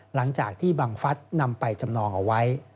หลังจากที่บังฟัฐนำไปจำนองเอาไว้